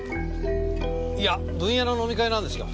いやブンヤの飲み会なんですよ。